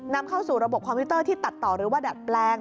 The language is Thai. นำเข้าสู่ระบบคอมพิวเตอร์ที่ตัดต่อหรือว่าดัดแปลง